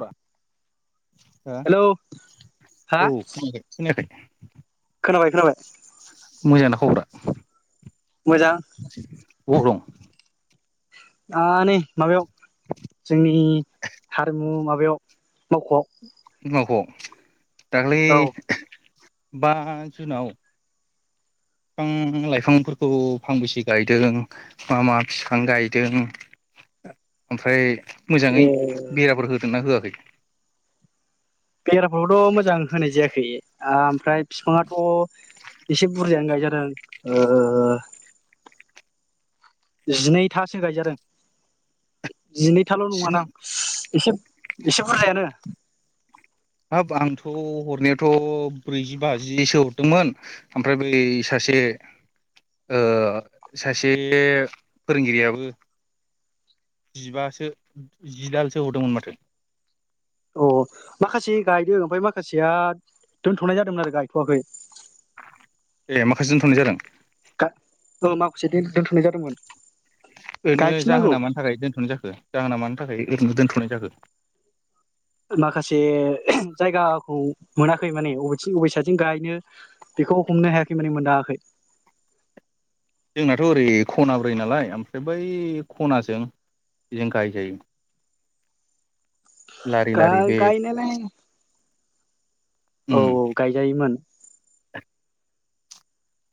बा हो हेलौ हा औ खोनायाखै खोनायाखै खोनाबाय खोनाबाय मोजांना खबरा? मोजां [inaudible] अबाव दं? आ नै माबायाव जोंनि हारिमु मा माबायाव मावख'आव [unintelligible] दाख्लै औ [unintelligible] बा जुनाव फां लाइफांफोरखौ फांबेसे गायदों मा मा फिफां गायदों ओमफ्राय ए मोजाङै बेराफोर होदोंना होआखै? ए आमफ्राय बिफाङाथ' एसे बुरजायानो गायजादों ओ जिनैथासो गायजादों जिनैथाल' स्नि नङादां एसे एसे बुरजायानो हरनायाथ' ब्रैजिबाजिसो हरदोंमोन ओमफ्राय बै सासे ओ सासे फोरोंगिरियाबो जिबासो जिदालसो हरदोंमोन माथो अ माखासे गायदों ओमफाय माखासेया दोनथ'नाय जादोंमोन आरो गायथ'वाखै ए माखासे दोनथ'नाय जादों? गा औ माखासे दोन-दोन्थ'नाय जादोंमोन ओरैनो गायफिननांगौ जाहोना मानि थाखाय दोनथ'नाय जाखो? जाहोना मानि थाखाय? दोनथनो दोनथ'नाय जाखो? माखासे जायगाखौ मोनाखै माने अबेथि अबे सायदथिं गायनो बेखौ हमनो हायाखै माने मोनदाङाखै जोंनाथ' ओरै खना ब्रै नालाय ओमफ्राय बै खनाजों बेजों गायजायो लारि लारि गा- बे गायनायालाय औ उम औ गायजायोमोन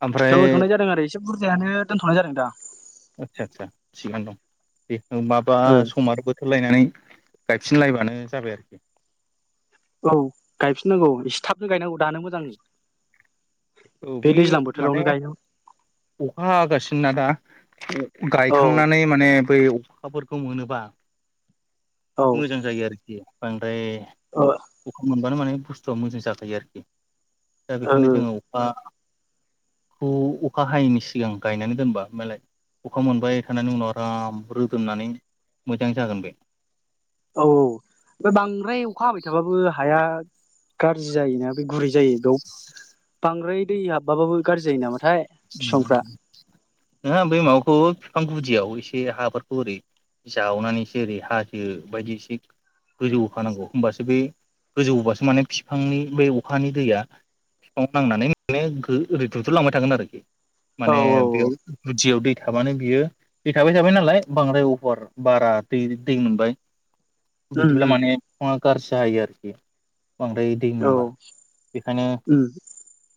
ओमफ्राय दोंथ'नाय जादों आरो एसे बुर जायानो दोनथ'नाय जादों दा आदसा आदसा थिगानो दं दे माबा ओ समा आरो बोथोर लायनानै गायफिनलायबानो जाबाय आरोखि औ गायफिननांगौ एसे थाबनो गायनांगौ दानो मोजां औ बे दैज्लां माने बोथोरावनो गायनो अखा हागासिनोना दा [unintelligible] औ गायखांनानै माने बै खाफोरखौ मोनोबा औ ओ मोजां जायो आरो- खि बां द्राय ओ अखा मोन बानो माने बुस्थुआ मोजां जाखायो आरोखि। दा बेखायनो जोङो औ अ खौ अखा हायैनि सिगां गायनानै दोनबा ओमालाय अखा मोनबाय थानानै उनाव आराम रोदोमनानै मोजां जागोन बे औ औ फाय बांद्राय अखा हाबाय थाबाबो हाया गाज्रि जायोना बे गुरै जायो बेयाव बांद्राय दै हाबबाबाबो गाज्रि जायो नामा ना नोङा आं बै मावाखौ फां गुदियाव एसे हाफोरखौ ओरै जावनानै एससे ओरै हाजो बायदि एसे गोजौ होखानांगौ होमबासो बै गोजौ बासो माने बिफांनि बे अखानि दैया बिफां नांनानै माने ओरै दुद्रुलांबाय थागोन आरोखि। औ माने औ बेयाव गुदियाव दै था थाबानो बियो दै थाबाय थाबाय नालाय बांद्राय अफार बारा दै दै मोनबाय उम बिदि ब्ला माने फुंवा खार साय आरोखि बांद्राय दै उम औ मोनबा बेखायनो उम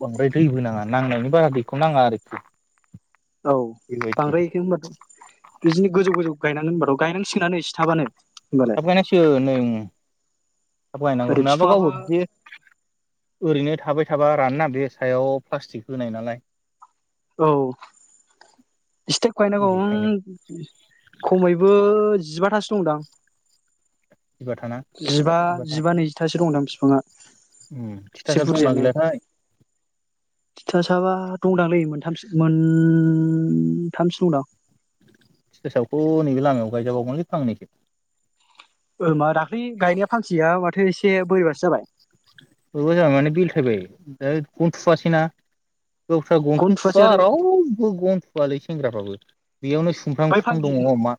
बांद्राय दैबोनाङा नांनायनि बारा दै खौ नाङा आरोखि। औ बेबायदि बांद्रायखो होनबाथ बिजिनो गोजौ गोजौ गायनांगोन होनबा‌थ' गायनां सिगोनानो एसे थाबानो होमबालाय थाब गायनांसिगोन नै थाब गायनांगौ ओरै नङाबा बिफाङाबो गावबो बिदि ओरैनो थाबाय थाबा रानना नाले सायाव प्लास्टिक होनाय नालाय। औ एसेथाब गायनांगौ उम बेखायनो खमैबो जिबा थासो दंदां थिबाथाना जिबा थिबाथा जिबा नैजिथासो दं दां फि फाङा उम से थिथासाब दंना बुरजियानो गैलाथाय थिथा साबा दंदांलै मोनथ थामसो मोन थामसो दं दां। थिथा साबथ' नैबे लामाया गायजाबावगोनलै फांनैसो ओ मा दाख्लै गायनाय फांसेया माथो एस से बोरैबासो जाबाय। बोरैबा जाबाय माने बेलथायबाय दा गन थुवासै ना। गावस्रा गन गनखौनो थुवासै थुवा आरो रावबो गन थुवालै सेंग्राफ्राबो बेयावनो सुमफ्रां बै बिफां फांसे दङ मा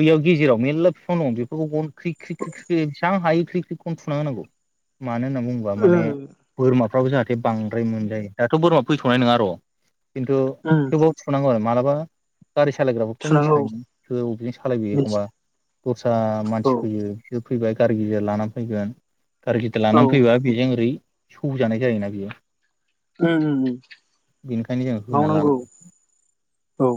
बैयाव गेजेराव मेर्ला बिफां दं बेफोरखौ गन ख्रि ख्रि ख्रि ख्रि बेसेबां हायो ख्रिख्रि गनथुना होनांगौ मानो होनना बुङोबा ओ माने बोरमा फावबो जाहाथे बांद्राय मोनजायो दाथ' बोरमा फैथ'नाय नङा र' खिन्थु उम थेवबाबो थुनांगौ आरो माला बा गारि सालायग्राफोरखौथ' थुनांगौ मिथिखायोना सोर अबेजों सालायबोयो मिथि एखमबा दस्रा औ मानसि फैयो जोब फैबाय गारि गिदिर लाना फैगोन गारि औ लानानै फैबा बेजों ओरै सौजानाय जायोना बियो उम उम उम बेनिखायनो जों होनानै मावनांगौ लानांगौ औ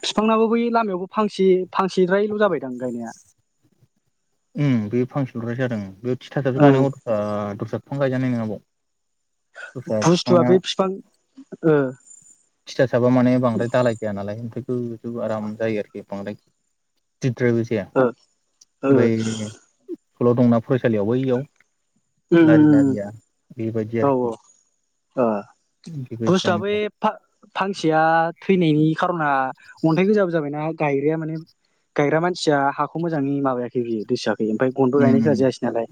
बिफांनाबो बै लामायावबो फांसे फांसेद्रायल' जाबायदां गायनाया उम बे फांसेल' द्राय जादों बे थिथासाबसो ओं गायनांगौ ओ दस्रा बिफां गायजानाय नङा बाव दस्रा बुस्थुआ बिफाङा बे फिफां ओ थिथासाबा माने बांराय दालााय गैया नालाय ओमफाय गोजौ आराम जायो आरोखि बांद्राय दिरद्रायबो जाया ओ ओ बै स्कुलाव दंना फरायसालियाव बैयाव उम लारि उम लारिया बेबायदि औ आरोखि ओ बुस्थुआ बेै बेबायदिखायनो फा-फांसेया थैनायनि खार'ना अन्थाइ गोजाबो जाबायना गायग्राया माने गायग्रा मानसिया हाखौ मोजाङै माबायाखै बियो दैसो ओमफ्राय गनबो गायनाय होना उम जायासै नालाय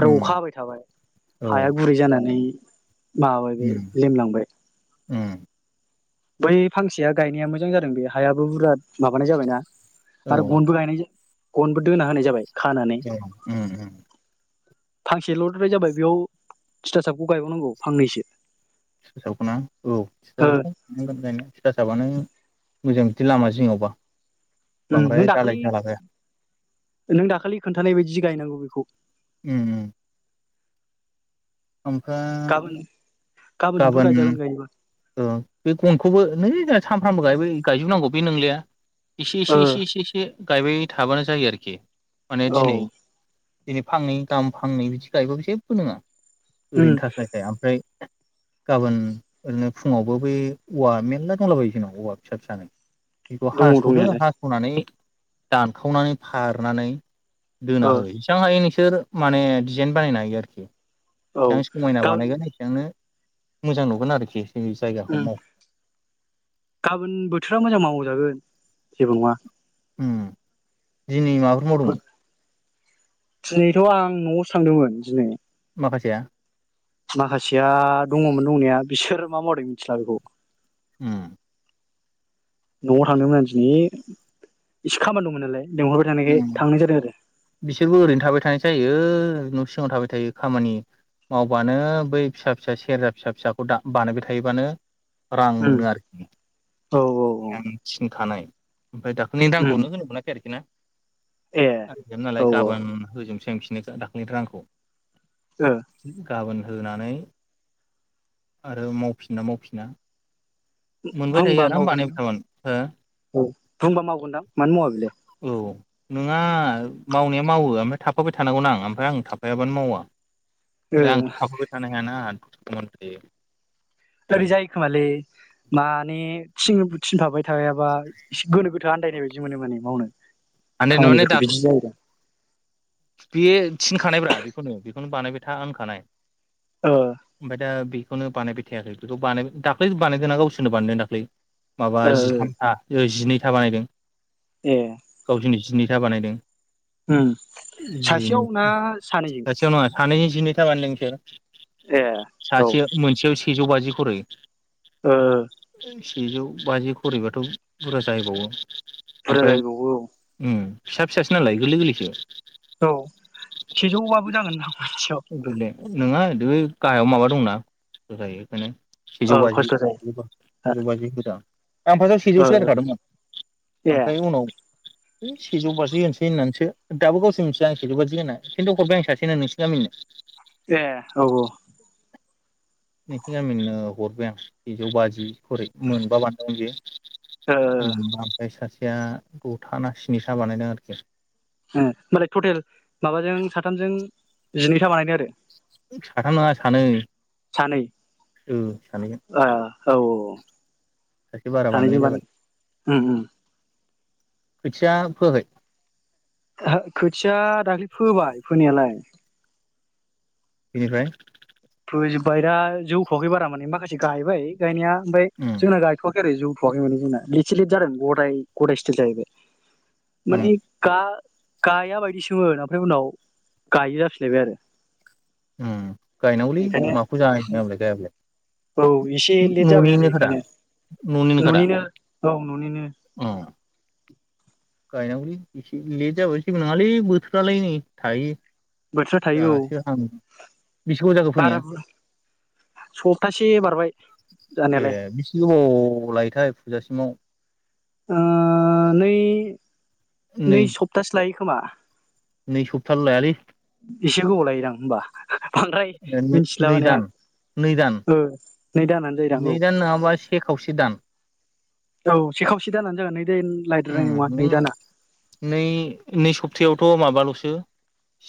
आरो उम अखा हाबाय औ हाया गुरै जाना नै माबाबाय बे उम लिमलांबाय उम बै फांसेया गायनाया मोजां जादों बे हायाबो बुरजा माबानाय जाबायना औ आरो गन्दबो गायनाय जाया गनबो दोना होनाय जाबाय खानानै ए उम उम फांसेल'द्राय जाबाय बेयाव थिथासाबखौ गायबावनांगौ फांनैसो थिथा साबखौ ना औ थिथा ओ साबखौनांगोन गायनो [unintelligible] फिथासाबानो मोजां बिदि लामा जिङावबा नों बांद्राय दाखालि दालाय दाला गाया नों दाखालि खोन्थानाय बायदि सो गायनांगौ बेखौ उम उम ओमफ्राय गाबोन समफोर गाबोन गायजागोन गायोबा ओ बे गनखौबो नै जा सामफ्रामबो गाबाय गायजोबनांगौ बे नोंलिया इसि ओ इसि इसे इसे इसे गायबाय थाबानो जायो आरोखि माने औ दिनै दिनै फांनै गाहाम फांनै बिदि गायोबाबो जेबो नोङा उम ओरैनो थास्लायस्लाय ओमफ्राय गाबोन ओरैनो फुङावबो बै औवा मेरला दंलाबायो जोंनाव औवा फिसा फिसानै बेखौ दङ हास'दो दंनायालाय हास'नानै दानखावनानै फारनानै दोना ओ होयो एसबांहायो बिखो माने डिजाइन बानायनो हायो आरोखि औ बेसेबां समायना गाबोन बानायगोन एसेबांनो मोजां नुगोन आरोखि जों बे जायगाखौ उम माव गाबोन बोथोरा मोजां मावजागोन जेबो नङा उम दिनै माबाफोर मावदोंमोन दिनैथ' आं न'आवसो थांदोंमोन दिनै माखासेया माखासेया दङमोन दंनाया बिसोर मा मावदों मिथिला बेखौ उम न'आव थांदोंमोन आं दिनि एसे खामानि दंमोन नालाय लिंहरबाय थानायखाय उम थांनाय जादों आरो बिसोरबो ओरैनो थाबाय थानाय जायो ओरै न' सिगाव थाबाय थायो खामानि मावबानो बै फिसा फिसा सेरजा फिसा फिसाखौ दा बानायबाय थायोबानो रां आरो उम मोनो आरोखि औ औ औ आं थिनखानाय ओमफाय दाखालैनि उम दामखौनो होनो मोनाखै आरोखि ना ए लाय औ औ गाबोन [unintelligible] दाख्लैनि रांखौ ओ गाबोन होनानै आरो मावफिनोना मावफिना मोनबाय थायो बुंबा आरो बानायबाय मावगोनदां थामोन हो औ बुंबा मावगोनदां मानो मावा बेलाय औ नोंङा मावनाया मावो ओमफाय थाफाबाय थानांगौ नाआं ओमफ्राय आं थाफायाबानो मावा ओ ओरै आंथ' थाफाबाय थानो हायाना मनथ्रि ओरै जायोखोमालै माने [unintelligible] थाबाय थायाबा एसे गोनो गोथ आन्दायनाय बायदि मोनो माने मावनो हानाय खामानिफोरखौ बिदि जायोदा बेयो थिनखानायब्रा बेखौनो बेखौनो बानायबाय था होनखानाय ओ ओमफाय दा बि बेखौनो बानायबाय थायाखै बेखौ बानाय दाख्लै बानायदोंना गावसोरनो बानायदों दाख्लै माबा ओ जिथामथा ओ जिनै फिथा बानायदों ए गावसिनि जिनि फिथा बानायदों ओम इदिनो सासेयाव नङा सानै दिनै थाराबानो नोंसो ए औ सासे मोनसेयाव सो सेजौ बाजि खरै ओ सेजौ बाजि खरिबाथ' बुरजा जाहैबावो बुरजा ओमफ्राय जायैबावो औ उम फिसा फिसासो नालाय गोरलै गोरलैसो औ सेजौबाबो जागोन नोंथां मोनसेयाव बि गाहायाव माबा दंना होजायो बेखायनो औ सेजौ बाजि खस्थ' जायो सेजौ बाजि होदां ओमफाय दा ओ सेजौसो रायलायखादोंमोन ए ओमफ्राय उनाव हे सेजौ बाजि होनोसै होननानैसो दाबो गावसोर [unintelligible] खिन्थु हरबाय आं सासेनो नोंसोर गामिनो ए औ औ नोंसोरनि गामिनो हरबाय आं सेजौ बाजि हरै मोनबा बानथामोन बेयो ओ मा बायसासो ओ दथा ना स्निथा बानायदों आरोखि ए होनोमबालाय टटेल माबाजों साथामजों जिनैथा बानायदो आरो साथाम नोङा सानै ओ सानैजों [inaudible] सासे बारा बानायनाय सानैजों जाबाय बानाय उम उम खोथिया फोयाखै खोथिया दाखालि फोबाय फोनायालाय [inaudible] बेनिफ्राय फोजोब्बाय ना जौथवाखै बारा माने माखासे गायबाय गायनाया ओमफ्राय उम जोंना गाइथ ओरै जौथवाखै माने जोंना इसे लेथ जादों गदाय गदाय स्टिल जाहैबाय उम माने गा गाया बायदिसोमोन ओमफ्राय उनाव गायो जाफिनलायबाय आरो उम गायनांगौलै बेखायनो माखौ जानो नङाबालाय गायाबालाय औ एसे लेट जाबाय आरो न'निनोखादा बेखायनो न'निनोखादा न'निनो औ न'निनो अ गायनांगौलै एसे लेट जाबाय जेबो नङालै बोथोरालाय नै थायो बोथोरा थायो औ दासो हाम बेसे गोबाव जाखो फोनाया बारा सप्तासे बारबाय ए जानायालाय बिसो गोबाव लायोथाय फोजासिमाव ओ नै नै सप्तासे लायो खोमा नै सफथाल' लायालै एसे गोबाव लायोदां होमबा बांद्राय मिथिला नै माने आं दान नै दान ओ नै दानानो जायोदां नै औ दान नङाबा से खावसे दान औ से खावसे दानानानै जागोन नै दान उम लायद्रायनाय नङा नै दाना नै नै सपथायावथ' माबाल' सो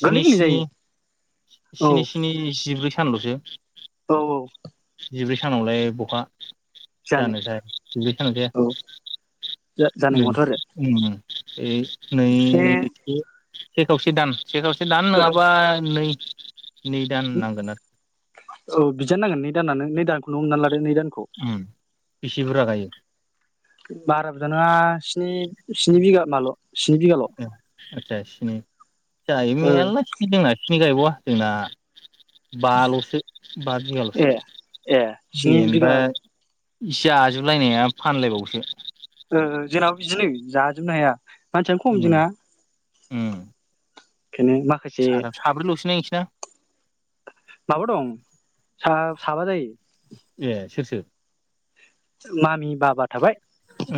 स्नि गोरलैनो स्नि जायो औ स्नि स्नि जिब्रै सान ल'सो औ जिब्रै सानावलाय बहा जानो जाया जिब्रै सानाव जाया। जा-जानाय नङाथ' आरो ए नै बे [unintelligible] से खावसे दान से खावसे दान नोङाबा औ नै नै दान नांगोन आरो औ बिदिआनो नांगोन नै दानानै नै दाखौनो हमना ला रो नै दानखौ आरो उम बेसे बुरजा गायो बारा बुरजा नङा स्नि स्नि बिगा माल' स्नि बिगाल' ओ आदसा स्नि जायो ओ मेल्ला थिखिद दोङो। खिनि गायबावा जोंना बा ल'स बा बिगाल'सो ए ए स्नि बेनोबा बिगा इसे आजोबलायनाया फानलायबावोसो। ओ ओ जोंनाबो बिदिनो जाजोबनो हाया। मानसियानो खम उम जोंना उम। ओंखायनो माखासे साथाम साब्रैल'सो नाय नोंसिना माबा दं सा साबा जायो ए सोर सोर? मामि बाबा थाबाय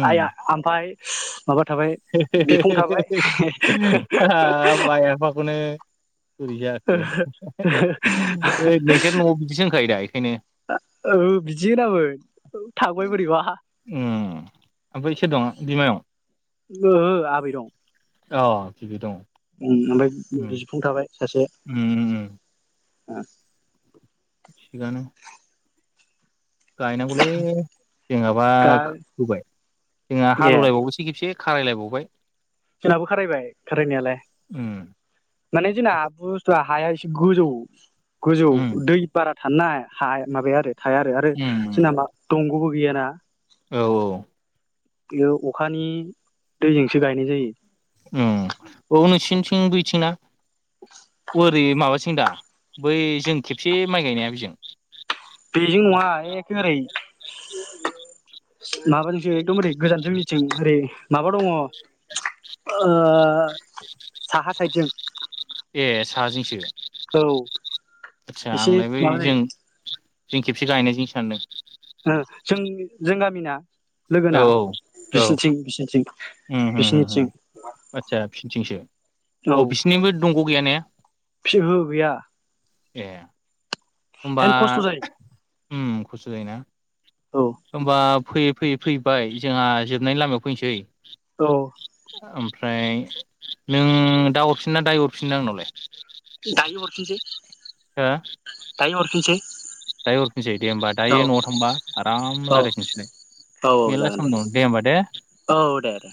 आइ आ आमफाइ हे हे हे हे हे हाब आय आफा खौनो बोरै जाखो [unintelligible] नोंसोर न'आव बिदिसो होनखायो दा बेखायनो औ बिदि होनामोन थांबाय बोरैबा ओम ओमफ्राय सोर दं बिमायं? नोहो आबै दं अ बिबै दं ओम ओमफाय बिफुं थाबाय। उम उम उम आ थिगानो गायनांगौलै जोंहाबा दा खो होबाय जोंहा ए हालेव लायबाव बायसो खेबसे। खाराय लायबावबाय। जोंनाबो खारायबाय खारायनायालाय उम माने जोंना बुस्थुआ हाया से गोजौ गोजौ उम दै बारा थानना हा माबाया आरो थाया आरो आरो उम जोंना मा दंग'बो भेयेना औ औ इयो अखानि दैजोंसो गायनाय जायो। उम औ नोंसिनिथिं बैथिंना ओरै माबाथिं दा बै जों खेबसे माइ गायनाया बेजों बेजों नङा एखे ओरै माबाजोंसो एकदम ओरै गोजान जोंनिथिं ओरै माबा दङ ओ साहा साइदजों ए साहा जोंसो औ एसे बै माबा जों जायो जों खेबसे गायनायजोंसो सानदों ओ जों जों गामिना औ लोगोना औ बिसिनि थिं बिसिनि थिं उम हम हम आदसा फिनिथिंसो औ बिसिनिबै दंग गैया ने फिहु गैया। ए होमबा हेन खस्थ' जायो। उम खस्थ' जायोना औ होमबा फैयै फैयै फैबाय जोंहा जोबनायनि लामायाव फैनसै औ ओमफ्राय नों दा हरफिन ना दाय हरफिनद आंनावलाय? दानो हरफिनसै हो दायो हरफिनसै। दायो हरफिनसै दे होमबा औ दायो न'आव थांबा आराम औ रायलाय फिनसैलाय औ औ मेरला जागोन सम दं दे होमबा दे। औ दे दे